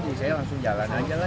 jadi saya langsung jalan aja lah